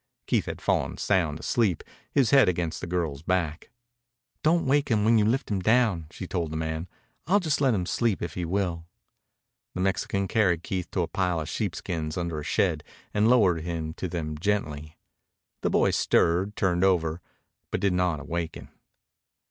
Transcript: Keith had fallen sound asleep, his head against the girl's back. "Don't wake him when you lift him down," she told the man. "I'll just let him sleep if he will." The Mexican carried Keith to a pile of sheepskins under a shed and lowered him to them gently. The boy stirred, turned over, but did not awaken.